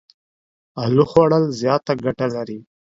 الو خوړ ل زياته ګټه لري.